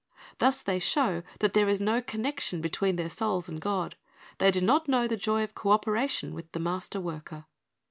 Thus they show that there is no connection between their souls and God. They do not know the joy of co operation with the Master worker.